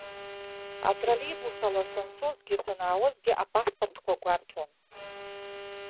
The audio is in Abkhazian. Атроллеибус ала санцозгьы санаауазгьы апаспортқәа гәарҭон.